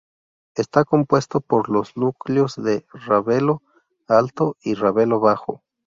Está compuesto por los núcleos de Ravelo Alto y Ravelo Bajo.